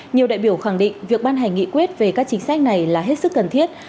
nhiều đại biểu khẳng định việc ban hành nghị quyết về các chính sách này là hết sức cần thiết